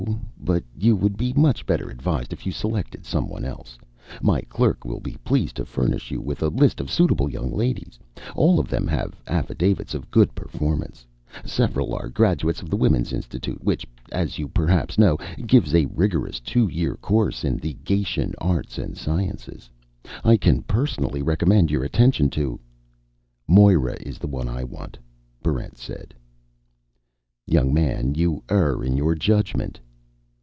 But you would be much better advised if you selected someone else. My clerk will be pleased to furnish you with a list of suitable young ladies. All of them have affidavits of good performance. Several are graduates of the Women's Institute, which, as you perhaps know, gives a rigorous two year course in the geishan arts and sciences. I can personally recommend your attention to " "Moera is the one I want," Barrent said. "Young man, you err in your judgment."